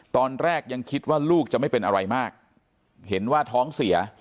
ตอนแรกยังคิดว่าลูกจะไม่เป็นอะไรมากเห็นว่าท้องเสีย